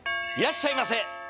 いらっしゃいませ。